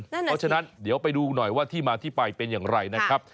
เพราะฉะนั้นเดี๋ยวไปดูหน่อยว่าที่มาที่ไปเป็นอย่างไรนะครับ